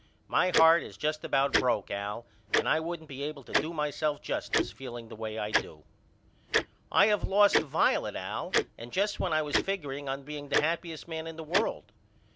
My heart is just about broke Al and I wouldn't be able to do myself justice feeling the way I do. I have lost Violet Al and just when I was figureing on being the happyest man in the world.